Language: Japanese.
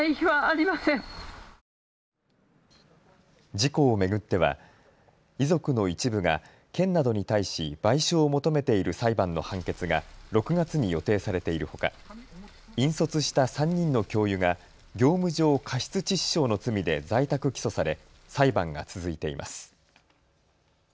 事故を巡っては遺族の一部が県などに対し賠償を求めている裁判の判決が６月に予定されているほか、引率した３人の教諭が業務上過失致死傷の罪で在宅起訴され裁判が続いています。